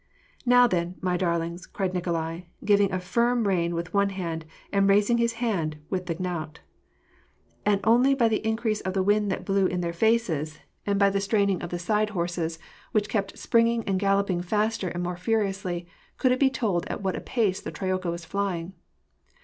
" Now then, my darlings !" cried Nikolai, giving a firm rein with one hand, and raising his hand with the knout. And only by the increase of the wind that blew in their faces, and 294 WAR AND PEACE, by the straining of the side horses, which kept springing and galloping faster and more fiiriouslV; could it be told at what a pace the troika was flying.